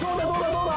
どうだ？